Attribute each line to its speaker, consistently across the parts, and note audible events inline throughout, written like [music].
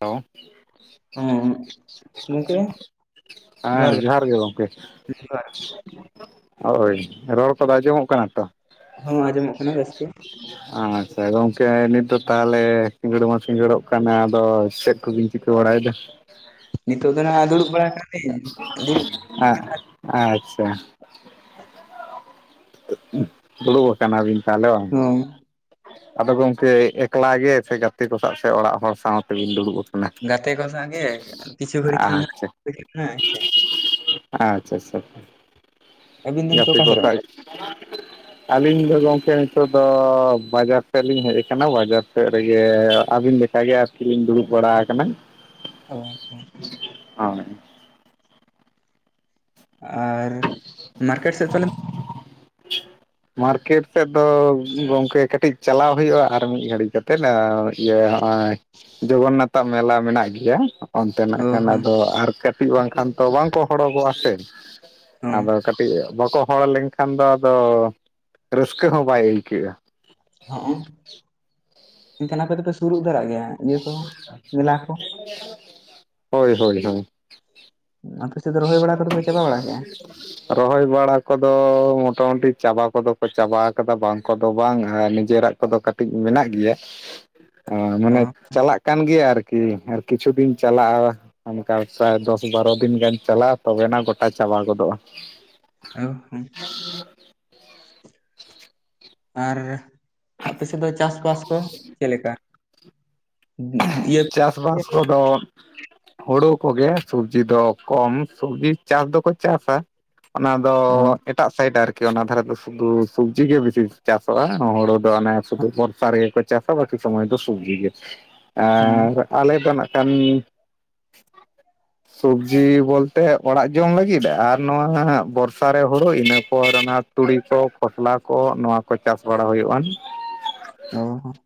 Speaker 1: Hello
Speaker 2: ᱦᱮᱸ ᱜᱚᱝᱠᱮ
Speaker 1: [inaudible] ᱦᱮᱸ ᱡᱚᱦᱟᱨ ᱜᱮ ᱜᱚᱝᱠᱮ᱾
Speaker 2: ᱡᱚᱦᱟᱨ ᱜᱮ
Speaker 1: ᱦᱳᱭ, ᱨᱚᱲ ᱠᱚᱫᱚ ᱟᱸᱡᱚᱢᱚᱜ ᱠᱟᱱᱟ ᱛᱚ?
Speaker 2: ᱦᱚᱸ ᱟᱸᱡᱚᱢᱚᱜ ᱠᱟᱱᱟ ᱵᱮᱥᱛᱮ
Speaker 1: ᱟᱪᱪᱷᱟ ᱜᱚᱝᱠᱮ ᱱᱤᱛᱚᱜ ᱛᱟᱦᱚᱞᱮ ᱥᱤᱸᱜᱟᱹᱲ ᱢᱟ ᱥᱤᱸᱜᱟᱹᱲᱚᱜ ᱠᱟᱱᱟ ᱟᱫᱚ, ᱪᱮᱫ ᱠᱚᱵᱮᱱ ᱪᱤᱠᱟᱹ ᱵᱟᱲᱟᱭᱮᱫᱟ?
Speaker 2: ᱱᱤᱛᱚᱜ ᱫᱚ ᱱᱟᱟᱦᱜ ᱫᱩᱲᱩᱵ ᱵᱟᱲᱟᱭ ᱠᱟᱱᱟᱞᱤᱧ, ᱫᱩᱲᱩᱵ
Speaker 1: ᱦᱮᱸ ᱟᱪᱪᱷᱟ᱾ ᱫᱩᱲᱩᱵ ᱠᱟᱱᱟ ᱵᱤᱱ ᱛᱟᱦᱚᱞᱮ ᱾
Speaker 2: ᱦᱚᱸ
Speaker 1: ᱟᱫᱚ ᱜᱚᱝᱠᱮ ᱮᱠᱞᱟ ᱜᱮ ᱥᱮ ᱜᱟᱛᱮ ᱠᱚ ᱥᱟᱶ ᱥᱮ ᱚᱲᱟᱜ ᱦᱚᱲ ᱥᱟᱶᱛᱮᱵᱤᱱ ᱫᱩᱲᱩᱵ ᱟᱠᱟᱱᱟ?
Speaker 2: ᱜᱟᱛᱮ ᱠᱚ ᱥᱟᱣ ᱜᱮ ᱠᱤᱪᱷᱩ ᱜᱟᱹᱲᱤᱡ ᱠᱷᱟᱱ ᱫᱚ᱾
Speaker 1: ᱟᱪᱪᱷᱟ
Speaker 2: [unintelligible]
Speaker 1: ᱟᱪᱪᱷᱟ ᱟᱪᱪᱷᱟ
Speaker 2: ᱟᱹᱵᱤᱱ ᱫᱚ ᱱᱤᱛᱚᱜ
Speaker 1: ᱜᱟᱛᱤ
Speaker 2: ᱚᱠᱟ
Speaker 1: ᱠᱚ
Speaker 2: ᱥᱮᱫ ᱨᱮ
Speaker 1: ᱥᱟᱣ
Speaker 2: ᱢᱮᱱᱟᱜ
Speaker 1: ᱜᱤ᱾ ᱟᱹᱞᱤᱧ ᱫᱚ ᱜᱚᱢᱠᱮ ᱱᱤᱛᱚᱜ ᱫᱚ ᱵᱟᱡᱟᱨ ᱥᱮᱫ ᱞᱤᱧ ᱦᱮᱡ ᱟᱠᱟᱱᱟ ᱵᱟᱡᱟᱨ ᱥᱮᱫ ᱨᱮᱜᱮ ᱟᱹᱵᱤᱱ ᱵᱤᱱ᱾ ᱟᱜᱮ ᱟᱨᱠᱤᱧ ᱫᱩᱲᱩᱵ ᱵᱟᱲᱟ ᱟᱠᱟᱱᱟ᱾
Speaker 2: ᱚ ᱦᱚᱸ᱾
Speaker 1: ᱦᱚᱭ᱾
Speaker 2: ᱟᱨ ᱢᱟᱨᱠᱮᱴ ᱥᱮᱫ ᱯᱟᱞᱮᱱ
Speaker 1: [unintelligible] ᱢᱟᱨᱠᱮᱴ ᱥᱮᱫ ᱫᱚ ᱜᱚᱝᱠᱮ ᱠᱟᱹᱴᱤᱡ ᱪᱟᱞᱟᱣ ᱦᱩᱭᱩᱜᱼᱟ ᱟᱨ ᱢᱤᱫ ᱜᱷᱟᱹᱲᱤᱡ ᱠᱟᱛᱮᱫ᱾ ᱤᱭᱟᱹ ᱦᱚᱸᱜᱼᱚᱭ ᱡᱚᱜᱚᱱᱱᱟᱛᱷ ᱟᱜ ᱢᱮᱞᱟ ᱢᱮᱱᱟᱜ ᱜᱮᱭᱟ᱾ ᱚᱱᱛᱮᱱᱟᱜ
Speaker 2: ᱚ
Speaker 1: ᱠᱷᱟᱱ
Speaker 2: ᱦᱚᱸ
Speaker 1: ᱟᱫᱚ ᱟᱨ ᱠᱟᱹᱴᱤᱡ ᱵᱟᱝᱠᱷᱟᱱ ᱛᱚ ᱵᱟᱝᱠᱚ ᱦᱚᱨᱚᱜᱚᱜᱼᱟ ᱥᱮ᱾
Speaker 2: ᱦᱚᱸ
Speaker 1: ᱟᱫᱚ ᱠᱟᱹᱴᱤᱡ ᱵᱟᱠᱚ ᱦᱚᱲ ᱞᱮᱱᱠᱷᱟᱱ ᱫᱚ ᱟᱫᱚ ᱨᱟᱹᱥᱠᱟᱹ ᱦᱚᱸ ᱵᱟᱭ ᱟᱹᱭᱠᱟᱹᱜᱼᱟ᱾
Speaker 2: ᱦᱚᱸᱜ ᱚᱸ ᱮᱱᱠᱷᱟᱱ ᱟᱯᱮ ᱫᱚᱯᱮ ᱥᱩᱨᱩᱜ ᱫᱟᱨᱟᱜ ᱜᱮᱭᱟ ᱤᱭᱟᱹ ᱠᱚ ᱢᱮᱞᱟ ᱠᱚ᱾
Speaker 1: ᱦᱳᱭᱼᱦᱳᱭᱼᱦᱳᱭ
Speaker 2: ᱟᱯᱮ ᱥᱮᱫ ᱫᱚ ᱨᱚᱦᱚᱭ ᱵᱟᱲᱟ ᱠᱚᱫᱚ ᱯᱮ ᱪᱟᱵᱟ ᱵᱟᱲᱟ ᱠᱮᱜᱼᱟ?
Speaker 1: ᱨᱚᱦᱚᱭ ᱵᱟᱲᱟ ᱠᱚᱫᱚ ᱢᱚᱴᱟᱢᱩᱴᱤ ᱪᱟᱵᱟ ᱠᱚᱫᱚ ᱠᱚ ᱪᱟᱵᱟ ᱟᱠᱟᱫᱟ ᱵᱟᱝ ᱠᱚᱫᱚ ᱵᱟᱝ ᱟᱨ ᱱᱤᱡᱮᱨᱟᱜ ᱠᱚᱫᱚ ᱠᱟᱹᱴᱤᱡ ᱢᱮᱱᱟᱜ ᱜᱮᱭᱟ,
Speaker 2: ᱚ
Speaker 1: ᱢᱟᱱᱮ ᱪᱟᱞᱟᱜ ᱠᱟᱱ ᱜᱮᱭᱟ ᱟᱨᱠᱤ ᱟᱨ ᱠᱤᱪᱷᱩ ᱫᱤᱱ ᱪᱟᱞᱟᱜᱼᱟ, ᱚᱱᱠᱟ ᱯᱨᱟᱭ ᱫᱚᱥ ᱵᱟᱨᱚ ᱫᱤᱱ ᱜᱟᱱ᱾ ᱪᱟᱞᱟᱜᱼᱟ ᱛᱚᱵᱮᱱᱟ ᱜᱚᱴᱟ ᱪᱟᱵᱟ ᱜᱚᱫᱚᱜᱼᱟ᱾
Speaker 2: ᱚ ᱦᱚᱸ᱾ ᱟᱨ ᱟᱯᱮ ᱥᱮᱫ ᱫᱚ ᱪᱟᱥᱵᱟᱥ ᱠᱚ ᱪᱮᱫ ᱞᱮᱠᱟ, ᱤᱭᱟᱹ
Speaker 1: ᱪᱟᱥ ᱵᱟᱥ ᱠᱚᱫᱚ ᱦᱩᱲᱩ ᱠᱚᱜᱮ ᱥᱚᱵᱡᱤ ᱫᱚ ᱠᱚᱢ ᱥᱚᱵᱡᱤ ᱪᱟᱥ ᱫᱚᱠᱚ ᱪᱟᱥᱟ᱾ ᱚᱱᱟ ᱫᱚ
Speaker 2: ᱚ
Speaker 1: ᱮᱼᱼ ᱮᱴᱟᱜ ᱥᱟᱭᱤᱰ ᱟᱨᱠᱤ ᱚᱱᱟ ᱫᱷᱟᱨᱮ ᱫᱚ ᱥᱩᱫᱩ ᱥᱚᱵᱡᱤ ᱜᱮ ᱵᱤᱥᱤ ᱪᱟᱥᱚᱜᱼᱟ, ᱦᱩᱲᱩ ᱫᱚ ᱚᱱᱮ ᱥᱩᱫᱩ ᱵᱚᱨᱥᱟ ᱨᱮᱜᱮ ᱠᱚ ᱪᱟᱥᱟ ᱵᱟᱹᱠᱤ ᱥᱚᱢᱚᱭ ᱫᱚ ᱥᱚᱵᱡᱤ ᱜᱮ,
Speaker 2: ᱦᱚᱸ
Speaker 1: ᱟᱨ ᱟᱞᱮ ᱫᱚ ᱱᱟᱜ ᱠᱷᱟᱱ [inaudible] ᱥᱚᱵᱡᱤ ᱵᱚᱞᱛᱮ ᱚᱲᱟᱜ ᱡᱚᱝ ᱞᱟᱹᱜᱤᱫ, ᱟᱨ ᱱᱚᱣᱟ ᱵᱚᱨᱥᱟ ᱨᱮ ᱦᱩᱲᱩ ᱤᱱᱟᱹ ᱯᱚᱨ ᱚᱱᱟ᱾ ᱛᱩᱲᱤ ᱠᱚ ᱠᱷᱚᱥᱞᱟ ᱠᱚ ᱱᱚᱣᱟ ᱠᱚ ᱪᱟᱥ ᱵᱟᱲᱟ ᱦᱩᱭᱩᱜᱼᱟᱱ᱾
Speaker 2: ᱚ ᱦᱚᱸ᱾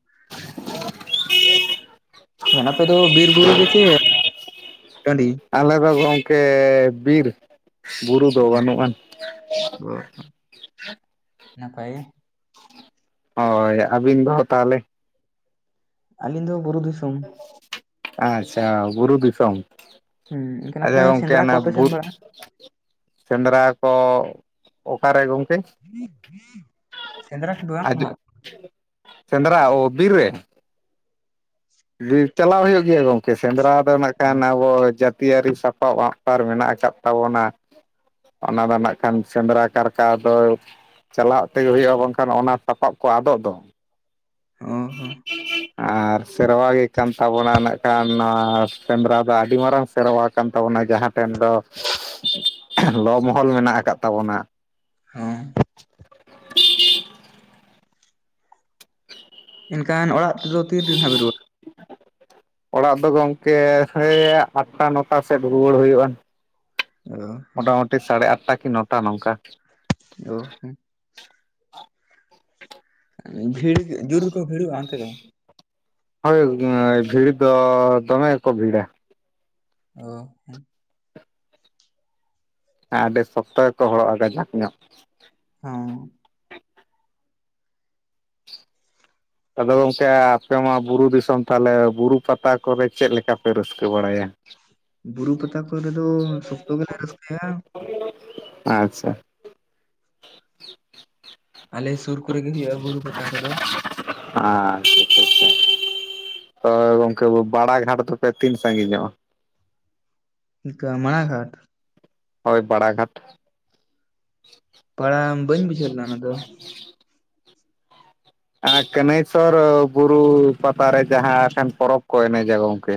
Speaker 2: ᱟᱯᱮ ᱫᱚ ᱵᱤᱨ ᱵᱩᱨᱩ ᱜᱮᱪᱮ [inaudible] ᱴᱟᱸᱰᱤ᱾
Speaker 1: ᱟᱞᱮ ᱫᱚ ᱜᱚᱢᱠᱮ ᱵᱤᱨ, ᱵᱩᱨᱩ ᱫᱚ ᱵᱟᱹᱱᱩᱜ ᱟᱱ᱾
Speaker 2: ᱱᱟᱯᱟᱭ ᱜᱮ᱾
Speaker 1: ᱦᱳᱭ ᱟᱹᱵᱤᱱ ᱫᱚ ᱛᱟᱦᱚᱞᱮ?
Speaker 2: ᱟᱹᱞᱤᱧ ᱫᱚ ᱵᱩᱨᱩ ᱫᱤᱥᱚᱢ᱾
Speaker 1: ᱟᱪᱪᱷᱟ ᱵᱩᱨᱩ ᱫᱤᱥᱚᱢ᱾
Speaker 2: ᱦᱩᱸ ᱮᱱᱠᱷᱟᱱ ᱟᱯᱮ
Speaker 1: ᱟᱪᱪᱷᱟ
Speaker 2: ᱦᱚᱸ
Speaker 1: ᱜᱚᱢᱠᱮ
Speaker 2: ᱥᱮᱸᱫᱽᱨᱟ ᱠᱚ
Speaker 1: ᱚᱱᱟ
Speaker 2: ᱵᱟᱯᱮ ᱥᱮᱱ
Speaker 1: ᱵᱩᱨᱼᱼ
Speaker 2: ᱵᱟᱲᱟᱜᱼᱟ?
Speaker 1: ᱥᱮᱸᱫᱽᱨᱟ ᱠᱚ ᱚᱠᱟᱨᱮ ᱜᱚᱢᱠᱮ?
Speaker 2: ᱥᱮᱸᱫᱽᱨᱟ ᱠᱚᱫᱚ ᱵᱟᱝ
Speaker 1: ᱦᱤᱡᱩᱜ
Speaker 2: ᱱᱟᱜ,
Speaker 1: ᱥᱮᱸᱫᱽᱨᱟ ᱚ ᱵᱤᱨ ᱨᱮ᱾ ᱵᱤᱨ ᱪᱟᱞᱟᱣ ᱦᱩᱭᱩᱜ ᱜᱮᱭᱟ ᱜᱚᱝᱠᱮ, ᱥᱮᱸᱫᱽᱨᱟ ᱫᱚ ᱱᱟᱜ
Speaker 2: ᱦᱟᱸᱜ
Speaker 1: ᱠᱷᱟᱱ ᱟᱵᱚ ᱡᱟᱹᱼᱼ ᱛᱤ ᱟᱨᱤ ᱥᱟᱯᱟᱵᱽ ᱟᱸᱜ ᱥᱟᱨ ᱢᱮᱱᱟᱜ ᱟᱠᱟᱫ ᱛᱟᱵᱚᱱᱟ᱾ ᱚᱱᱟ ᱫᱚ ᱱᱟᱜ ᱠᱷᱟᱱ ᱥᱮᱸᱫᱽᱨᱟ ᱠᱟᱨᱠᱟ ᱫᱚ ᱪᱟᱞᱟᱜ ᱛᱮᱜᱮ ᱦᱩᱭᱩᱜᱼᱟ, ᱵᱟᱝᱠᱷᱟᱱ ᱚᱱᱟ ᱥᱟᱯᱟᱵᱽ ᱠᱚ ᱟᱫᱚᱜ ᱫᱚ᱾
Speaker 2: ᱚᱻ
Speaker 1: [inaudible] ᱟᱨ ᱥᱮᱨᱣᱟ ᱜᱮ ᱠᱟᱱ ᱛᱟᱵᱚᱱᱟ, ᱱᱟᱜᱠᱷᱟᱱ ᱱᱚᱣᱟ ᱥᱮᱸᱫᱽᱨᱟ ᱫᱚ ᱟᱹᱰᱤ ᱢᱟᱨᱟᱝ ᱥᱮᱨᱣᱟ ᱠᱟᱱ ᱛᱟᱵᱚᱱᱟ ᱡᱟᱦᱟᱸ ᱴᱷᱮᱱ ᱫᱚ ᱞᱚ ᱢᱚᱦᱚᱞ ᱢᱮᱱᱟᱜ ᱟᱠᱟᱫ ᱛᱟᱵᱚᱱᱟ᱾
Speaker 2: ᱚᱸ᱾ ᱮᱱᱠᱷᱟᱱ ᱚᱲᱟᱜ ᱛᱮᱫᱚ ᱛᱤ ᱨᱮᱱᱦᱟᱜ ᱵᱤᱱ ᱨᱩᱣᱟᱹᱲᱟ᱾
Speaker 1: [inaudible] ᱚᱲᱟᱜ ᱫᱚ ᱜᱚᱢᱠᱮ ᱦᱮᱸ ᱟᱴᱴᱟ-ᱱᱚᱴᱟ ᱥᱮᱫ ᱨᱩᱣᱟᱹᱲ ᱦᱩᱭᱩᱜᱼᱟ᱾
Speaker 2: ᱚ ᱦᱚᱸ
Speaker 1: ᱢᱳᱴᱟᱢᱩᱴᱤ ᱥᱟᱲᱮ ᱟᱴᱴᱟ ᱠᱤ ᱱᱚᱴᱟ ᱱᱚᱝᱠᱟ᱾
Speaker 2: ᱚ ᱦᱚᱸ᱾ ᱵᱷᱤᱲ ᱡᱩᱨ ᱜᱮ ᱠᱚ ᱵᱷᱤᱲᱩᱜ ᱟ, ᱚᱱᱛᱮ ᱫᱚ᱾
Speaker 1: ᱦᱳᱭ ᱵᱷᱤᱲ ᱫᱚ ᱫᱚᱢᱮ ᱜᱮᱠᱚ ᱵᱷᱤᱲᱟ᱾
Speaker 2: ᱚ ᱦᱮᱸ᱾
Speaker 1: ᱦᱮᱸ ᱟᱹᱰᱤ ᱥᱚᱠᱛᱚ ᱜᱮᱠᱚ ᱦᱚᱲᱚᱜᱼᱟ, ᱜᱟᱡᱟᱠ ᱧᱚᱜ
Speaker 2: ᱦᱩᱸ᱾
Speaker 1: ᱟᱫᱚ ᱜᱚᱢᱠᱮ ᱟᱯᱮ ᱢᱟ ᱵᱩᱨᱩ ᱫᱤᱥᱚᱢ ᱛᱟᱦᱚᱞᱮ ᱵᱩᱨᱩ ᱯᱟᱛᱟ ᱠᱚᱨᱮ ᱪᱮᱫ ᱞᱮᱠᱟ ᱯᱮ ᱨᱟᱹᱥᱠᱟᱹ ᱵᱟᱲᱟᱭᱟ?
Speaker 2: ᱵᱩᱨᱩ ᱯᱟᱛᱟ ᱠᱚᱨᱮ ᱫᱚ ᱥᱚᱠᱛᱚ ᱜᱮᱞᱮ ᱨᱟᱹᱥᱠᱟᱹᱭᱟ᱾
Speaker 1: ᱟᱪᱪᱷᱟ᱾
Speaker 2: ᱟᱞᱮ ᱥᱩᱨ ᱠᱚᱨᱮ ᱜᱮ ᱦᱩᱭᱩᱜᱼᱟ, ᱵᱩᱨᱩ ᱯᱟᱛᱟ ᱠᱚᱫᱚ᱾
Speaker 1: ᱟᱪᱪᱷᱟ ᱟᱪᱪᱷᱟ, ᱛᱚ ᱜᱚᱝᱠᱮ ᱵᱟᱲᱟ ᱜᱷᱟᱴ ᱫᱚᱯᱮ ᱛᱤᱱ ᱥᱟᱺᱜᱤᱧ ᱧᱚᱜᱼᱟ?
Speaker 2: ᱚᱱᱠᱟ ᱢᱟᱬᱟ ᱜᱷᱟᱴ
Speaker 1: ᱦᱳᱭ ᱵᱟᱲᱟ ᱜᱷᱟᱴ᱾
Speaker 2: [unintelligible] ᱵᱟᱹᱧ ᱵᱩᱡᱷᱟᱹᱣ ᱞᱮᱱᱟ ᱚᱱᱟ ᱫᱚ᱾
Speaker 1: ᱟᱨ ᱠᱟᱹᱱᱟᱹᱭᱥᱚᱨ ᱵᱩᱨᱩ ᱯᱟᱛᱟ ᱨᱮ ᱡᱟᱦᱟᱸ ᱴᱷᱮᱱ ᱯᱚᱨᱚᱵᱽ ᱠᱚ ᱮᱱᱮᱡᱟ ᱜᱚᱝᱠᱮ,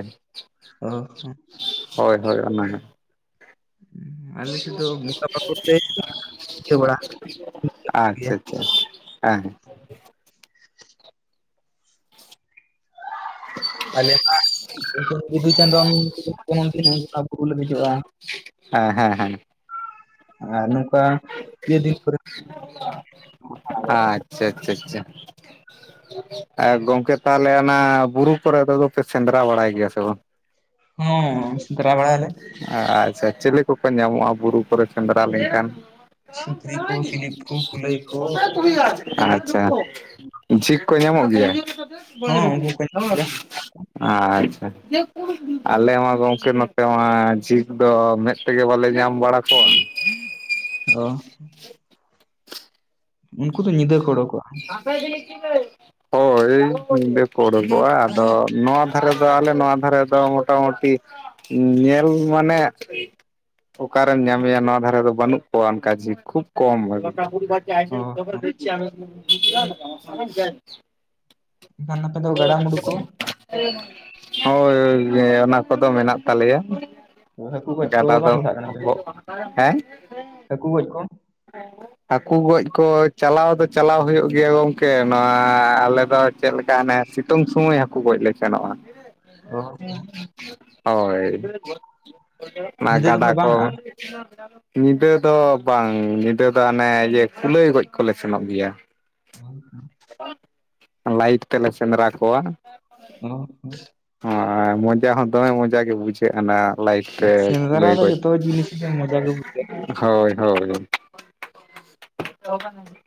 Speaker 2: ᱚ ᱦᱚᱸ᱾
Speaker 1: ᱦᱳᱭ ᱦᱳᱭ ᱚᱱᱟ ᱜᱮ, [inaudible]
Speaker 2: ᱟᱞᱮ ᱥᱮᱫ ᱫᱚ ᱚᱱᱠᱟ ᱵᱟᱠᱚ ᱞᱟᱹᱭ ᱵᱩᱡᱷᱟᱹᱣ ᱵᱟᱲᱟ
Speaker 1: [inaudible]
Speaker 2: ᱜᱮᱭᱟ
Speaker 1: ᱟᱪᱪᱷᱟ ᱟᱪᱪᱷᱟ᱾ ᱦᱮᱸ ᱦᱮᱸ᱾
Speaker 2: ᱟᱞᱮ ᱢᱟ ᱱᱩᱠᱤᱱ ᱵᱤᱫᱩ ᱪᱟᱸᱫᱚᱱ [unintelligible] ᱵᱩᱨᱩ ᱞᱮ ᱫᱮᱡᱚᱜᱼᱟ᱾
Speaker 1: ᱦᱮᱸ ᱦᱮᱸ ᱦᱮᱸ
Speaker 2: ᱟᱨ ᱱᱚᱝᱠᱟ ᱤᱭᱟᱹ ᱫᱤᱱ ᱠᱚᱨᱮ ᱫᱟᱬᱟ ᱵᱟᱲᱟᱭᱟ,
Speaker 1: ᱟᱪᱪᱷᱟ ᱟᱪᱪᱷᱟ ᱟᱪᱪᱷᱟ ᱟᱨ ᱜᱚᱝᱠᱮ ᱛᱟᱦᱚᱞᱮ ᱚᱱᱟ ᱵᱩᱨᱩ ᱠᱚᱨᱮ ᱫᱚᱯᱮ ᱥᱮᱸᱫᱽᱨᱟ ᱵᱟᱲᱟᱭ ᱜᱮᱭᱟ ᱥᱮ ᱵᱟᱝ
Speaker 2: ᱦᱚᱸ ᱥᱮᱸᱫᱽᱨᱟ ᱵᱮᱲᱟᱭᱟᱞᱮ
Speaker 1: ᱟᱪᱪᱷᱟ ᱪᱤᱞᱤ ᱠᱚᱠᱚ ᱧᱟᱢᱚᱜᱼᱟ ᱵᱩᱨᱩ ᱠᱚᱨᱮ ᱥᱮᱸᱫᱽᱨᱟ ᱞᱮᱱᱠᱷᱟᱱ?
Speaker 2: ᱥᱩᱠᱨᱤ ᱠᱚ ᱥᱤᱞᱤᱯ ᱠᱚ ᱠᱩᱞᱟᱹᱭ ᱠᱚ
Speaker 1: ᱟᱪᱪᱷᱟ, ᱡᱷᱤᱠ ᱠᱚ ᱧᱟᱢᱚᱜ ᱜᱮᱭᱟ,
Speaker 2: ᱦᱚᱸ ᱩᱱᱠᱩ ᱠᱚ ᱧᱟᱢᱚᱜ ᱜᱮᱭᱟ
Speaker 1: ᱟᱪᱪᱷᱟ ᱟᱞᱮ ᱢᱟ ᱜᱚᱝᱠᱮ ᱱᱚᱛᱮ ᱢᱟ ᱟᱨ ᱡᱷᱤᱠ ᱫᱚ ᱢᱮᱫ ᱛᱮᱜᱮ ᱵᱟᱞᱮ ᱧᱟᱢ ᱵᱟᱲᱟ ᱠᱚᱣᱟ᱾
Speaker 2: ᱚ ᱩᱱᱠᱩ ᱫᱚ ᱧᱤᱫᱟᱹ ᱠᱚ ᱚᱰᱚᱠᱚᱜᱼᱟ
Speaker 1: [unintelligible] ᱦᱳᱭ ᱧᱤᱫᱟᱹ ᱠᱚ ᱳᱰᱳᱠᱚᱜᱼᱟ ᱟᱫᱚ ᱱᱚᱣᱟ ᱫᱷᱟᱨᱮ ᱫᱚ ᱟᱞᱮ ᱱᱚᱣᱟ ᱫᱷᱟᱨᱮ ᱫᱚ ᱢᱚᱴᱟᱢᱩᱴᱤ ᱧᱮᱞ ᱢᱟᱱᱮ ᱚᱠᱟᱨᱮᱢ ᱧᱟᱢᱮᱭᱟ ᱱᱚᱣᱟ ᱫᱷᱟᱨᱮ ᱫᱚ ᱵᱟᱱᱩᱜ ᱠᱚᱣᱟ ᱚᱱᱠᱟ ᱡᱷᱤᱠ ᱠᱷᱩᱵ ᱠᱚᱢ
Speaker 2: ᱚ ᱦᱚᱸ
Speaker 1: [inaudible]
Speaker 2: ᱮᱱᱠᱷᱟᱱ ᱟᱯᱮ ᱫᱚ ᱜᱟᱰᱟᱼᱢᱩᱰᱩ ᱠᱚ
Speaker 1: ᱦᱳᱭ ᱚᱱᱟ ᱠᱚᱫᱚ ᱢᱮᱱᱟᱜ ᱛᱟᱞᱮᱭᱟ ᱾
Speaker 2: ᱦᱟᱹᱠᱩ ᱜᱚᱡ ᱠᱚ
Speaker 1: ᱡᱟᱫᱟ ᱫᱚ
Speaker 2: ᱵᱟᱝ ᱜᱚᱴᱟᱜ ᱠᱟᱱᱟ ᱯᱮ
Speaker 1: ᱦᱮᱸ
Speaker 2: ᱦᱟᱹᱠᱩ ᱜᱚᱡ ᱠᱚ
Speaker 1: [inaudible] ᱦᱟᱠᱩ ᱜᱚᱡ ᱠᱚ ᱪᱟᱞᱟᱣ ᱫᱚ ᱪᱟᱞᱟᱣ ᱦᱩᱭᱩᱜ ᱜᱮᱭᱟ ᱜᱚᱝᱠᱮ ᱱᱚᱣᱟ ᱟᱞᱮ ᱫᱚ ᱪᱮᱫᱞᱮᱠᱟ ᱦᱟᱱᱮ ᱥᱤᱛᱩᱝ ᱥᱚᱢᱚᱭ ᱦᱟᱠᱩ ᱜᱚᱡ ᱞᱮ ᱥᱮᱱᱚᱜᱼᱟ ᱾
Speaker 2: ᱚ
Speaker 1: ᱦᱳᱭ ᱚᱱᱟ
Speaker 2: ᱧᱤᱫᱟᱹ
Speaker 1: ᱜᱟᱰᱟ
Speaker 2: ᱫᱚᱯᱮ
Speaker 1: ᱠᱚ
Speaker 2: ᱵᱟᱝᱼᱟ
Speaker 1: ᱧᱤᱫᱟᱹ ᱫᱚ ᱵᱟᱝ ᱧᱤᱫᱟᱹ ᱫᱚ ᱚᱱᱮ ᱤᱭᱟᱹ ᱠᱩᱞᱟᱹᱭ ᱜᱚᱡ ᱠᱚᱞᱮ ᱥᱮᱱᱚᱜ ᱜᱮᱭᱟ
Speaker 2: [inaudible]
Speaker 1: ᱞᱟᱭᱤᱴ ᱛᱮᱞᱮ ᱥᱮᱸᱫᱽᱨᱟ ᱠᱚᱣᱟ
Speaker 2: [inaudible]
Speaker 1: ᱦᱚᱸ ᱢᱚᱡᱟ ᱦᱚᱸ ᱫᱚᱢᱮ ᱢᱚᱡᱟ ᱜᱮ ᱵᱩᱡᱷᱟᱹᱜ ᱟᱱᱟ ᱞᱟᱭᱤᱴ ᱛᱮ
Speaker 2: ᱥᱮᱸᱫᱽᱨᱟ
Speaker 1: ᱠᱩᱞᱟᱹᱭ
Speaker 2: ᱫᱚ
Speaker 1: ᱜᱚᱡ
Speaker 2: ᱡᱚᱛᱚ ᱡᱤᱱᱤᱥ ᱨᱮᱜᱮ ᱢᱚᱡᱟ ᱜᱮ ᱵᱩᱡᱷᱟᱹᱜᱼᱟ
Speaker 1: ᱦᱳᱭ ᱦᱳᱭ [unintelligible]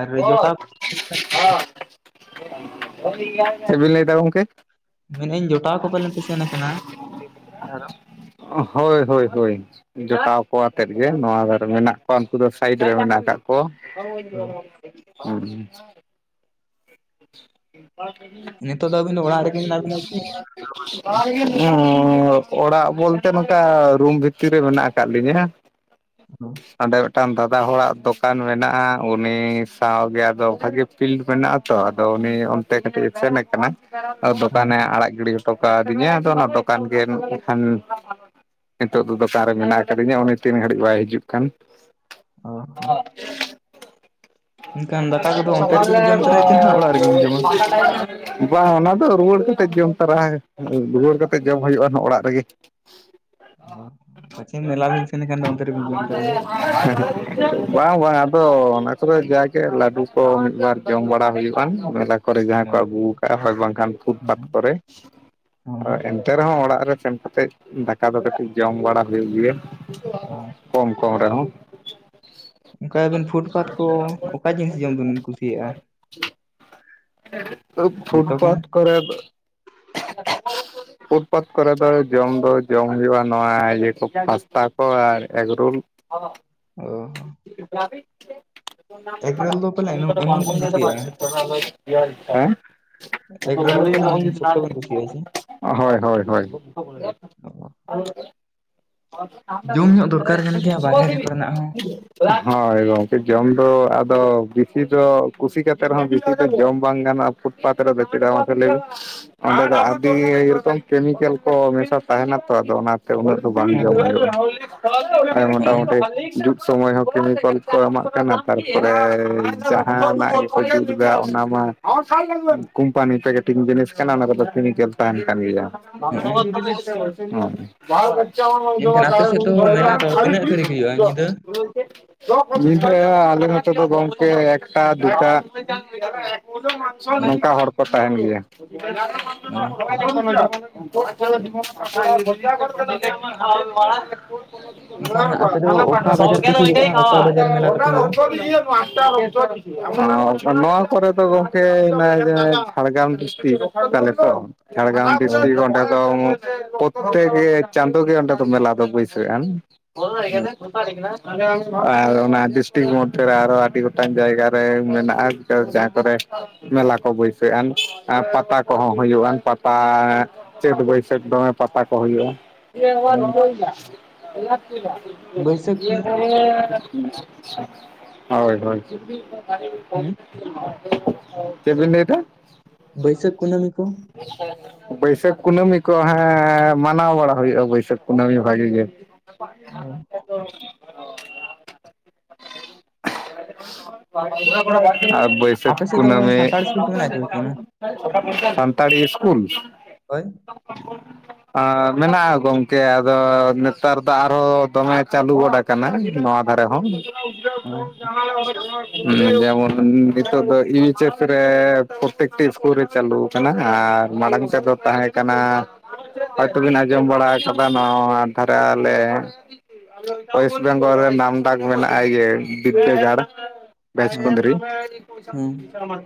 Speaker 2: ᱟᱨ ᱡᱚᱴᱟᱣ
Speaker 1: ᱪᱮᱫ ᱵᱮᱱ ᱞᱟᱹᱭ ᱫᱟ ᱜᱚᱝᱠᱮ
Speaker 2: ᱢᱮᱱᱟᱹᱧ ᱡᱚᱴᱟᱣ ᱠᱚ ᱯᱟᱞᱮ ᱯᱮ ᱥᱮᱱ ᱟᱠᱟᱱᱟ ᱾
Speaker 1: ᱦᱳᱭ ᱦᱳᱭ ᱦᱳᱭ ᱡᱚᱴᱟᱣ ᱠᱚᱣᱟᱛᱮᱫ ᱜᱮ ᱱᱚᱣᱟ ᱫᱷᱟᱨᱮ ᱢᱮᱱᱟᱜ ᱠᱚᱣᱟ ᱩᱱᱠᱩ ᱫᱚ ᱥᱟᱭᱤᱰ ᱨᱮ ᱢᱮᱱᱟᱜ ᱟᱠᱟᱫ ᱦᱩᱸ
Speaker 2: ᱚ,
Speaker 1: ᱦᱩᱸ
Speaker 2: ᱱᱤᱛᱚᱜ ᱫᱚ ᱟᱹᱵᱤᱱ ᱫᱚ ᱚᱲᱟᱜ ᱨᱮᱜᱮ ᱢᱮᱱᱟᱜ ᱵᱤᱱᱟ ᱠᱤ?
Speaker 1: [inaudible] ᱦᱩᱸ ᱚᱲᱟᱜ ᱵᱚᱞᱛᱮ ᱱᱚᱝᱠᱟ ᱨᱩᱢ ᱵᱷᱤᱛᱤᱨ ᱨᱮ ᱢᱮᱱᱟᱜ ᱟᱠᱟᱫ ᱞᱤᱧᱟᱹ [inaudible]
Speaker 2: [unintelligible]
Speaker 1: ᱚᱸᱰᱮ ᱢᱤᱫᱴᱟᱝ ᱫᱟᱫᱟ ᱦᱚᱲᱟᱜ ᱫᱚᱠᱟᱱ ᱢᱮᱱᱟᱜᱼᱟ, ᱩᱱᱤ ᱥᱟᱶᱜᱮ ᱟᱫᱚ ᱵᱷᱟᱜᱤ ᱯᱷᱤᱞᱰ ᱢᱮᱱᱟᱜᱼᱟ ᱟᱛᱚ ᱟᱫᱚ ᱩᱱᱤ ᱚᱱᱛᱮ ᱠᱟᱹᱴᱤᱡ ᱮ ᱥᱮᱱ ᱟᱠᱟᱱᱟ ᱟᱫᱚ ᱫᱚᱠᱟᱱᱮ ᱟᱲᱟᱜ ᱜᱤᱰᱤ ᱦᱚᱴᱚ ᱠᱟᱣᱫᱤᱧᱟ ᱟᱫᱚ ᱚᱱᱟ ᱫᱚᱠᱟᱱ ᱜᱮ ᱠᱷᱟᱱ ᱱᱤᱛᱚᱜ ᱫᱚ ᱫᱚᱠᱟᱱ ᱨᱮ ᱢᱮᱱᱟᱜ ᱟᱠᱟᱫᱤᱧᱟᱹ ᱩᱱᱤ ᱛᱤᱱ ᱜᱷᱟᱹᱲᱤᱡ ᱵᱟᱭ ᱦᱤᱡᱩᱜ ᱠᱟᱱ᱾
Speaker 2: ᱚ ᱦᱚᱸ᱾
Speaker 1: [inaudible] [inaudible]
Speaker 2: ᱮᱱᱠᱷᱟᱱ ᱫᱟᱠᱟ ᱠᱚᱫᱚ ᱚᱱᱛᱮ ᱨᱮᱜᱮᱵᱤᱱ ᱡᱚᱢ ᱛᱚᱨᱟᱭᱟ ᱪᱮ ᱱᱟᱦᱟᱜ ᱚᱲᱟᱜ ᱨᱮᱜᱮᱵᱤᱱ ᱡᱚᱢᱟ?
Speaker 1: ᱵᱟᱝ ᱚᱱᱟ ᱫᱚ ᱨᱩᱣᱟᱹᱲ ᱠᱟᱛᱮᱫ ᱡᱚᱢ ᱛᱟᱨᱟ ᱨᱩᱣᱟᱹᱲ ᱠᱟᱛᱮᱫ ᱡᱚᱢ ᱦᱩᱭᱩᱜᱼᱟ ᱚᱲᱟᱜ ᱨᱮᱜᱮ᱾
Speaker 2: ᱚ ᱯᱟᱪᱷᱤᱢ ᱢᱮᱞᱟ ᱵᱤᱱ ᱥᱮᱱ ᱟᱠᱷᱟᱱ ᱫᱚ ᱚᱱᱛᱮ ᱨᱮᱵᱤᱱ ᱡᱚᱢ ᱛᱚᱨᱟᱭᱟ᱾
Speaker 1: ᱵᱟᱝ ᱵᱟᱝ ᱟᱫᱚ ᱚᱱᱟ ᱠᱚᱨᱮ ᱡᱟ ᱜᱮ ᱞᱟᱹᱰᱩ ᱠᱚ ᱢᱤᱫ ᱵᱟᱨ ᱡᱚᱢ ᱵᱟᱲᱟ ᱦᱩᱭᱩᱜ ᱟᱱ ᱢᱮᱞᱟ ᱠᱚᱨᱮ ᱡᱟᱦᱟᱸ ᱠᱚ ᱟᱹᱜᱩᱣ ᱠᱟᱜᱼᱟ ᱦᱳᱭ ᱵᱟᱝᱠᱷᱟᱱ ᱯᱷᱩᱴᱯᱟᱛ ᱠᱚᱨᱮ᱾
Speaker 2: ᱦᱚᱸ
Speaker 1: ᱛᱮ ᱨᱮᱦᱚᱸ ᱚᱲᱟᱜ ᱨᱮ ᱥᱮᱱ ᱠᱟᱛᱮᱜ ᱫᱟᱠᱟ ᱫᱚ ᱠᱟᱹᱴᱤᱡ ᱡᱚᱢ ᱵᱟᱲᱟ ᱦᱩᱭᱩᱜ ᱜᱮᱭᱟ᱾
Speaker 2: ᱚ
Speaker 1: ᱠᱚᱢ ᱠᱚᱢ ᱨᱮᱦᱚᱸ᱾
Speaker 2: ᱚᱱᱠᱟ ᱟᱵᱮᱱ ᱯᱷᱩᱴ ᱯᱟᱛ ᱠᱚ ᱚᱠᱟ ᱡᱤᱱᱤᱥ ᱡᱚᱢ ᱵᱤᱱ ᱠᱩᱥᱤᱭᱟᱜ? ᱡᱚᱛᱚ ᱠᱷᱚᱱ?
Speaker 1: ᱯᱷᱩᱴᱯᱟᱛ ᱠᱚᱨᱮ ᱫᱚ [inaudible] ᱯᱷᱩᱴᱯᱟᱛ ᱠᱚᱨᱮ ᱫᱚ ᱡᱚᱢ ᱫᱚ ᱡᱚᱢ ᱦᱩᱭᱩᱜᱼᱟ ᱱᱚᱣᱟ ᱤᱭᱟᱹ ᱠᱚ ᱯᱟᱥᱛᱟ ᱠᱚ ᱟᱨ ᱮᱜᱽᱨᱳᱞ᱾ [inaudible]
Speaker 2: ᱚ᱾ ᱮᱜᱽᱨᱳᱞ ᱫᱚ ᱯᱟᱞᱮᱱ
Speaker 1: [inaudible]
Speaker 2: ᱮᱢᱚᱱ ᱵᱤᱱ ᱠᱩᱥᱤᱭᱟᱜᱼᱟ
Speaker 1: ᱦᱮᱸ?
Speaker 2: ᱮᱜᱽᱨᱳᱞ ᱫᱚ ᱯᱟᱞᱮᱱ ᱥᱚᱠᱛᱚ ᱵᱤᱱ ᱠᱩᱥᱤᱭᱟᱜᱼᱟ ᱥᱮ?
Speaker 1: ᱚ ᱦᱳᱭ ᱦᱳᱭ ᱦᱳᱭ᱾
Speaker 2: ᱚ,
Speaker 1: [unintelligible]
Speaker 2: ᱡᱚᱢ ᱧᱚᱜ ᱫᱚᱨᱠᱟᱨ ᱠᱟᱱ ᱜᱮᱭᱟ ᱵᱟᱨᱦᱮ ᱨᱮ ᱠᱚᱨᱮᱱᱟᱜ ᱦᱚᱸ
Speaker 1: ᱦᱳᱭ ᱜᱚᱝᱠᱮ ᱡᱚᱢ ᱫᱚ ᱟᱫᱚ ᱥᱤ ᱫᱚ ᱠᱩᱥᱤ ᱠᱟᱛᱮ ᱨᱮᱦᱚᱸ ᱵᱮᱥᱤ ᱫᱚ ᱡᱚᱢ ᱵᱟᱝ ᱜᱟᱱᱚᱜᱼᱟ ᱯᱷᱩᱴᱯᱟᱛ ᱨᱮᱫᱚ᱾ ᱪᱮᱫᱟᱜ ᱢᱟᱥᱮ ᱞᱟᱹᱭ ᱵᱤᱱ? ᱚᱸᱰᱮ ᱫᱚ ᱟᱹᱰᱤ ᱨᱚᱠᱚᱢ ᱠᱮᱢᱤᱠᱮᱞ ᱠᱚ ᱢᱮᱥᱟ ᱛᱟᱦᱮᱱᱟ ᱛᱚ ᱟᱫᱚ ᱚᱱᱟ ᱛᱮ ᱩᱱᱟᱹᱜ ᱵᱟᱝ ᱡᱚᱢ
Speaker 2: ᱦᱳᱭ
Speaker 1: ᱦᱚᱭᱩᱜᱼᱟ ᱦᱩᱭᱩᱜ-ᱟ᱾ ᱛᱟᱭ
Speaker 2: ᱦᱚᱸᱜᱼᱚ
Speaker 1: ᱢᱚᱴᱟᱢᱩᱴᱤ ᱡᱩᱜ ᱥᱚᱢᱚᱭ ᱦᱚᱸ ᱠᱮᱢᱤᱠᱚᱞ ᱠᱚ ᱮᱢᱟᱜ ᱠᱟᱱᱟ ᱛᱟᱨᱯᱚᱨᱮ
Speaker 2: ᱦᱚᱸᱜᱼᱚ
Speaker 1: ᱡᱟᱦᱟᱱᱟᱜ ᱠᱚ ᱡᱩᱛ ᱮᱫᱟ ᱚᱱᱟ ᱢᱟ ᱠᱳᱢᱯᱟᱱᱤ ᱯᱮᱠᱴᱤᱝ ᱡᱤᱱᱤᱥ ᱠᱟᱱᱟ᱾ ᱚᱱᱟ ᱠᱚᱫᱚ ᱠᱤᱢᱤᱠᱮᱞ ᱛᱟᱦᱮᱱ ᱠᱟᱱ ᱜᱮᱭᱟ᱾
Speaker 2: ᱦᱚᱸᱜᱼᱚ ᱮᱱᱠᱷᱟᱱ ᱟᱯᱮ ᱥᱮᱫ ᱫᱚ ᱢᱮᱞᱟ ᱫᱚ ᱛᱤᱱᱟᱹᱜ ᱜᱷᱟᱹᱲᱤᱡ ᱦᱩᱭᱩᱜᱼᱟ ᱧᱤᱫᱟᱹ?
Speaker 1: [unintelligible] [unintelligible] ᱢᱤᱴ ᱨᱮᱭᱟᱜ ᱟᱞᱮ ᱱᱚᱛᱮ ᱫᱚ ᱜᱚᱝᱠᱮ ᱮᱠᱴᱟ ᱫᱩᱴᱟ
Speaker 2: ᱚ
Speaker 1: ᱱᱚᱝᱠᱟ ᱦᱚᱲ ᱠᱚ ᱛᱟᱦᱮᱱ ᱜᱮᱭᱟ᱾
Speaker 2: ᱚ
Speaker 1: [unintelligible]
Speaker 2: ᱮᱱᱠᱷᱟᱱ ᱟᱯᱮ
Speaker 1: [unintelligible]
Speaker 2: ᱫᱚ ᱚᱠᱟ ᱵᱟᱡᱟᱨ ᱯᱮ ᱥᱩᱨᱩᱜᱼᱟ ᱚᱠᱟ ᱵᱟᱡᱟᱨ ᱢᱮᱞᱟ ᱛᱟᱯᱮ ᱦᱩᱭᱩᱜᱼᱟ?
Speaker 1: ᱚ ᱱᱚᱣᱟ ᱠᱚᱨᱮ ᱫᱚ ᱜᱚᱝᱠᱮ ᱚᱱᱟ ᱡᱮ ᱡᱷᱟᱲᱜᱨᱟᱢ ᱰᱤᱥᱴᱤᱠ᱾ ᱛᱟᱦᱞᱮ ᱛᱚ ᱡᱷᱟᱲᱜᱨᱟᱢ
Speaker 2: ᱚ
Speaker 1: ᱰᱤᱥᱴᱤᱠ ᱚᱰᱮ ᱫᱚ ᱯᱚᱛ ᱛᱮᱜᱮ ᱪᱟᱸᱫᱳ ᱜᱮ ᱚᱸᱰᱮ ᱫᱚ ᱢᱮᱞᱟ ᱫᱚ ᱵᱟᱹᱭᱥᱟᱜ ᱟᱱ᱾ ᱟᱨ ᱚᱱᱟ ᱰᱤᱥᱴᱤᱠ ᱢᱚᱫᱽᱫᱷᱮ ᱨᱮ ᱟᱨᱚ ᱟᱰ ᱰᱤ ᱜᱚᱴᱟᱝ ᱡᱟᱭᱜᱟ ᱨᱮ ᱢᱮᱱᱟᱜᱼᱟ ᱡᱟᱦᱟᱸ ᱠᱚᱨᱮ ᱢᱮᱞᱟ ᱠᱚ ᱵᱟᱹᱭᱥᱟᱹᱜᱼᱟᱱ ᱟ ᱯᱟᱛᱟ ᱠᱚᱦᱚᱸ ᱦᱩᱭᱩᱜᱼᱟᱱ ᱯᱟᱛᱟ ᱪᱟᱸᱛ ᱵᱟᱹᱭᱥᱟᱹᱠᱷ ᱫᱚᱢᱮ ᱯᱟᱛᱟ ᱦᱩᱭᱩᱜᱼᱟ᱾ [inaudible]
Speaker 2: ᱦᱩᱸ ᱵᱟᱹᱭᱥᱟᱹᱠᱷ ᱠᱩᱱᱟᱹᱢᱤ ᱢᱮᱱᱟᱜᱼᱟ,
Speaker 1: ᱦᱳᱭ ᱦᱳᱭ᱾
Speaker 2: ᱦᱩᱸ
Speaker 1: ᱪᱮᱜ ᱵᱤᱱ ᱞᱟᱹᱭ ᱫᱟ?
Speaker 2: ᱵᱟᱹᱭ ᱥᱟᱸᱠ ᱠᱩᱱᱟᱸᱢᱤ ᱠᱚ᱾
Speaker 1: ᱵᱟᱹᱭᱥᱟᱹᱠᱷ ᱠᱩᱱᱟᱹᱢᱤ ᱠᱚ ᱦᱮᱸ ᱢᱟᱱᱟᱣ ᱵᱟᱲᱟ ᱦᱩᱭᱩᱜᱼᱟ ᱵᱟᱹᱭᱥᱟᱹᱠᱷ ᱠᱩᱱᱟᱹᱢᱤ ᱵᱷᱟᱜᱮ ᱜᱮ᱾
Speaker 2: ᱚ᱾
Speaker 1: ᱟᱨ ᱵᱟᱹᱭᱥᱟᱹᱠᱷ
Speaker 2: ᱟᱯᱮ ᱥᱮᱫ ᱫᱚ
Speaker 1: ᱠᱩᱱᱟᱹᱢᱤ
Speaker 2: ᱥᱟᱱᱛᱟᱲ ᱤᱥᱠᱩᱞ ᱠᱚ ᱢᱮᱱᱟᱜᱼᱟ ᱪᱮ ᱵᱟᱹᱪᱩᱜ ᱟᱱᱟ?
Speaker 1: [inaudible] ᱥᱟᱱᱛᱟᱲ ᱤᱥᱠᱩᱞ᱾
Speaker 2: ᱦᱳᱭ
Speaker 1: [unintelligible] ᱮᱸ ᱢᱮᱱᱟᱜᱼᱟ ᱜᱚᱝᱠᱮ ᱟᱫᱚ ᱱᱮᱛᱟᱨ ᱫᱚ ᱟᱨᱦᱚ ᱫᱚᱢᱮ ᱪᱟᱹᱞᱩ ᱜᱚᱵᱟᱠ ᱠᱟᱱᱟ ᱱᱚᱣᱟ ᱫᱷᱟᱨᱮ ᱦᱚᱸ᱾
Speaker 2: ᱚ
Speaker 1: ᱡᱮᱢᱚᱱ ᱱᱤᱛᱳᱜ ᱫᱚ ᱤᱭᱤᱪᱮᱥ ᱨᱮ ᱯᱮᱠᱴᱤᱥ ᱠᱚᱩᱞᱨᱮ ᱪᱟᱹᱞᱩ ᱠᱟᱱᱟ ᱟᱨ ᱢᱟᱲᱟᱝ ᱛᱮᱫ ᱛᱟᱦᱮᱸ ᱠᱟᱱᱟ᱾ ᱦᱚᱭ ᱛᱚᱵᱤᱱ ᱟᱸᱡᱚᱢ ᱵᱟᱲᱟ ᱠᱟᱫᱟ ᱱᱚᱣᱟ ᱟᱨ ᱫᱷᱟᱨᱮ ᱟᱞᱮ ᱳᱭᱮᱥᱴ ᱵᱮᱝᱜᱚᱞ ᱰᱟᱠ ᱢᱮᱱᱟᱜᱼᱟ ᱤᱭᱟᱹ ᱵᱤᱫᱫᱟᱹ ᱜᱟᱲ ᱵᱮᱪ
Speaker 2: ᱦᱮᱸ
Speaker 1: ᱠᱩᱱᱫᱨᱤ᱾
Speaker 2: ᱦᱮᱸ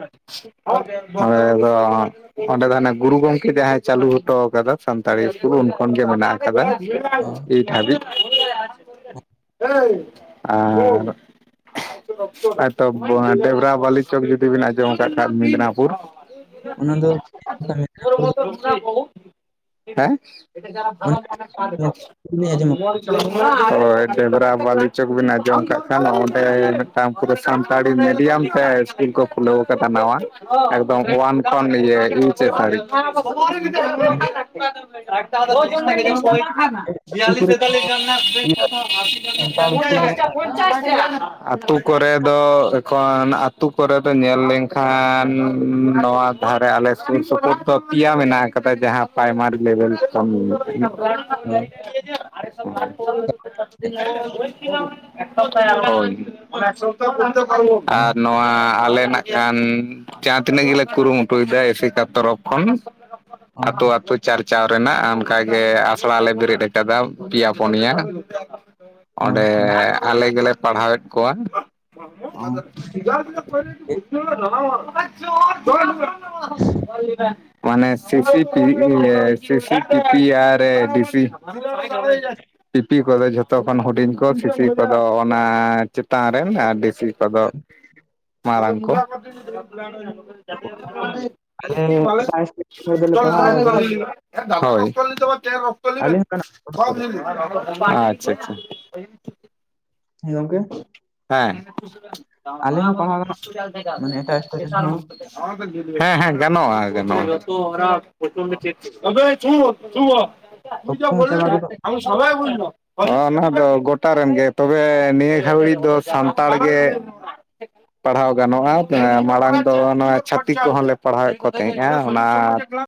Speaker 1: [inaudible] ᱚᱸᱰᱮ ᱫᱚ ᱦᱟᱱᱮ ᱜᱩᱨᱩ ᱜᱚᱝᱠᱮ ᱡᱟᱦᱟᱸᱭ ᱪᱟᱹᱞᱩ ᱦᱚᱴᱚᱣᱟ ᱠᱟᱫᱟ ᱥᱟᱱᱛᱟᱲᱤ ᱤᱥᱠᱩᱞ ᱩᱱ ᱠᱷᱚᱱ ᱜᱮ ᱢᱮᱱᱟᱜᱼᱟ᱾
Speaker 2: ᱚ
Speaker 1: [inaudible] ᱦᱳᱭ ᱛᱚ ᱵᱚ ᱰᱮᱵᱽᱨᱟ ᱵᱟᱞᱤ ᱪᱚᱠ ᱡᱩᱫᱤ ᱵᱮᱱ ᱟᱸᱡᱚᱢ ᱠᱫ ᱠᱷᱟᱱ ᱢᱮᱫᱽᱱᱟᱯᱩᱨ᱾
Speaker 2: ᱚᱱᱟ ᱫᱚ ᱚᱠᱟ [unintelligible]
Speaker 1: [unintelligible]
Speaker 2: ᱟᱸᱡᱚᱢ
Speaker 1: ᱦᱮᱸ [unintelligible] [inaudible] [inaudible] [inaudible]
Speaker 2: ᱟᱹᱛᱩ ᱠᱚᱨᱮ ᱫᱚ
Speaker 1: [unintelligible]
Speaker 2: ᱤᱭᱟᱹ ᱥᱟᱱᱛᱟᱲ ᱤᱥᱠᱩᱞ ᱫᱚ ᱵᱟᱝ
Speaker 1: [inaudible] ᱟᱛᱳ ᱠᱚᱨᱮ ᱫᱚ ᱮᱠᱷᱚᱱ ᱟᱛᱳ ᱠᱚᱨᱮ ᱫᱚ ᱧᱮᱞ ᱞᱮᱱᱠᱷᱟᱱ ᱱᱚᱣᱟ ᱞᱟᱦᱮ ᱟᱞᱮ ᱥᱩᱨ ᱥᱩᱯᱩᱨ ᱫᱚ ᱯᱤᱭᱟ ᱢᱮᱱᱟᱜ ᱠᱟᱫᱟ ᱡᱟᱦᱟᱸ ᱯᱨᱟᱭᱢᱟᱨᱤ ᱞᱮᱵᱮᱞ ᱠᱷᱚᱱ᱾
Speaker 2: ᱚ
Speaker 1: [unintelligible] ᱦᱳᱭ ᱟᱨ ᱱᱚ
Speaker 2: ᱚ
Speaker 1: ᱱᱚᱣᱟ ᱟᱞᱮ ᱱᱟᱜ ᱠᱷᱟᱱ ᱡᱟᱦᱟᱸ ᱛᱤᱱᱟᱹᱜ ᱜᱮᱞᱮ ᱠᱩᱨᱩᱢᱩᱴᱩ ᱭᱮᱫᱟ ᱮᱥᱮᱠᱟ ᱛᱚᱨᱚᱯ ᱠᱷᱚᱱ
Speaker 2: ᱚ
Speaker 1: ᱟᱛᱳ ᱟᱛᱳ ᱪᱟᱨᱪᱟᱣ ᱨᱮᱱᱟᱜ ᱚᱱᱠᱟᱜᱮ ᱟᱥᱲᱟ ᱞᱮ ᱵᱮᱨᱮᱫ ᱠᱟᱫᱟ ᱯᱮᱭᱟ ᱯᱚᱱᱮᱭᱟᱹ᱾
Speaker 2: ᱚ
Speaker 1: ᱚᱸᱰᱮᱻ ᱟᱞᱮ ᱜᱮᱞᱮ ᱯᱟᱲᱦᱟᱣᱮᱜ ᱠᱚᱣᱟ᱾ [inaudible]
Speaker 2: ᱚ ᱚ
Speaker 1: [inaudible] [unintelligible] ᱯᱤᱯᱤ ᱠᱚᱫᱚ ᱡᱷᱚᱛᱚ ᱠᱷᱚᱱ ᱦᱩᱰᱤᱧ ᱠᱚ ᱥᱤᱥᱤ ᱠᱚᱫᱚ ᱚᱱᱟ ᱪᱮ ᱛᱟᱱ ᱨᱮᱱ ᱟᱨ ᱰᱮᱥᱤ ᱠᱚᱫᱚ ᱢᱟᱨᱟᱝ ᱠᱚ᱾
Speaker 2: ᱟᱞᱮ ᱮᱴᱟᱜ ᱥᱴᱮᱴ ᱦᱚᱲ ᱫᱚᱞᱮ ᱯᱟᱲᱦᱟᱣ ᱟᱠᱟᱱᱟ
Speaker 1: [inaudible] ᱦᱳᱭ [inaudible]
Speaker 2: ᱟᱞᱮ ᱦᱚᱸ ᱠᱟᱱᱟ ᱠᱚᱫᱚ
Speaker 1: ᱟᱪᱪᱷᱟ ᱟᱪᱪᱷᱟ ᱾
Speaker 2: ᱦᱮᱸ ᱜᱚᱝᱠᱮ ᱾
Speaker 1: ᱦᱮᱸ
Speaker 2: ᱦᱚᱸ ᱯᱟᱲᱦᱟᱣ ᱜᱟᱱᱚᱜ ᱢᱟᱱᱮ ᱮᱴᱟᱜ ᱥᱴᱮᱴ ᱨᱮᱱ ᱦᱚᱲ
Speaker 1: [unintelligible] ᱦᱮᱸ ᱦᱮᱸ ᱜᱟᱱᱚᱜᱼᱟ ᱜᱟᱱᱚᱜᱼᱟ᱾ [inaudible]
Speaker 2: ᱚᱠᱛᱚ ᱦᱚᱸ ᱪᱟᱵᱟ ᱜᱚᱫᱚᱜ
Speaker 1: [unintelligible] [unintelligible] ᱱᱚᱣᱟ ᱫᱚ ᱜᱚᱴᱟ ᱨᱮᱱ ᱜᱮ ᱛᱚᱵᱮ ᱱᱤᱭᱟᱹ ᱦᱮᱸ [unintelligible] ᱫᱚ ᱥᱟᱱᱛᱟᱲ ᱜᱮ ᱯᱟᱲᱦᱟᱣ ᱜᱟᱱᱚᱜᱼᱟ ᱢᱟᱲᱟᱝ ᱫᱚ ᱱᱚᱣᱟ ᱪᱷᱟᱹᱛᱤᱠ ᱠᱚᱦᱚᱸᱞᱮ ᱯᱟᱲᱦᱟᱣᱮᱫ ᱠᱚ ᱛᱟᱦᱮᱸᱫᱼᱟ ᱚᱱᱟ